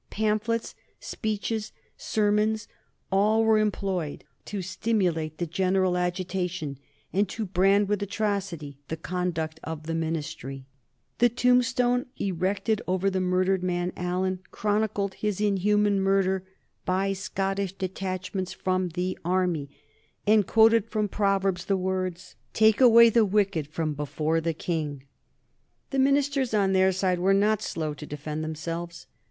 Pamphlets, speeches, sermons, all were employed to stimulate the general agitation and to brand with atrocity the conduct of the Ministry. The tombstone erected over the murdered man Allan chronicled his inhuman murder "by Scottish detachments from the Army," and quoted from Proverbs the words, "Take away the wicked from before the King." [Sidenote: 1768 The Ministry on its defence] The ministers, on their side, were not slow to defend themselves.